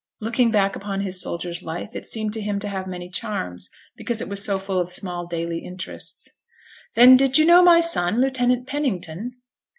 Looking back upon his soldier's life, it seemed to him to have many charms, because it was so full of small daily interests. 'Then, did you know my son, Lieutenant Pennington?'